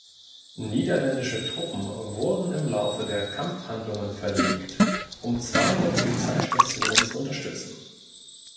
Niederländische Truppen wurden im Laufe der Kampfhandlungen verlegt, um zwei der Polizeistationen zu unterstützen.